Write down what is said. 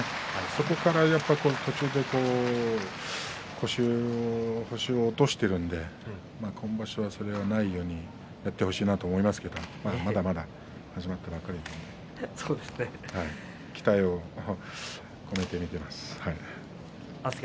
そこから、やっぱり途中で星を落としているので今場所はそれがないようにやってほしいなと思いますねまだまだ始まったばっかりです。